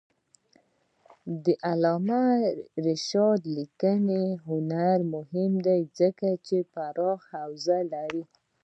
د علامه رشاد لیکنی هنر مهم دی ځکه چې پراخه حوزه لري.